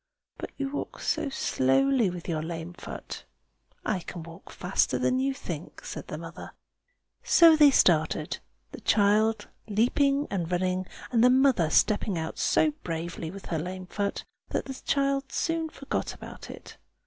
"But you walk so slowly, with your lame foot." "I can walk faster than you think!" said the mother. So they started, the child leaping and running, and the mother stepping out so bravely with her lame foot that the child soon forgot about it.